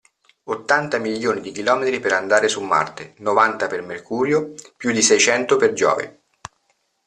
Ottanta milioni di chilometri per andare su Marte, novanta per Mercurio: più di seicento per Giove…